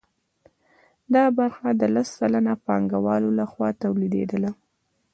دا برخه د لس سلنه پانګوالو لخوا تولیدېدله